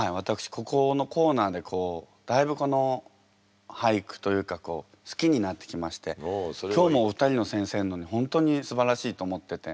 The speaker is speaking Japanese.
ここのコーナーでだいぶ俳句というか好きになってきまして今日もお二人の先生の本当にすばらしいと思ってて。